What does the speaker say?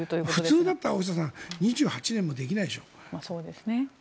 普通だったら２８年もできないでしょ。